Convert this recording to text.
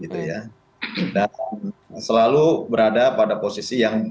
dan selalu berada pada posisi yang